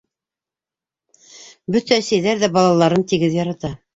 Бөтә әсәйҙәр ҙә балаларын тигеҙ ярата.